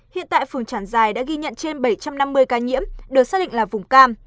hiện tại phường trảng giài đã ghi nhận trên bảy trăm năm mươi ca nhiễm được xác định là vùng cam